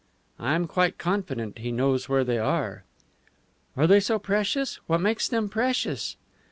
"I am quite confident he knows where they are." "Are they so precious? What makes them precious?"